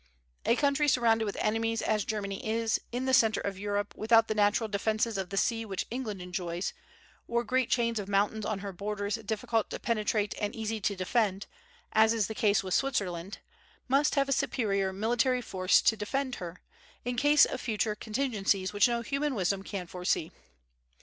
A country surrounded with enemies as Germany is, in the centre of Europe, without the natural defences of the sea which England enjoys, or great chains of mountains on her borders difficult to penetrate and easy to defend, as is the case with Switzerland, must have a superior military force to defend her, in case of future contingencies which no human wisdom can foresee.